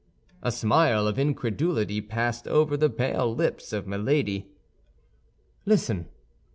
A smile of incredulity passed over the pale lips of Milady. "Listen!